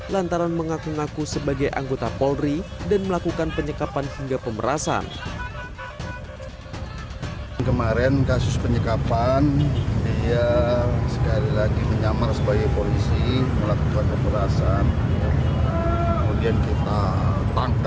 lantaran mengaku ngaku sebagai anggota polri dan melakukan penyekapan hingga pemerasan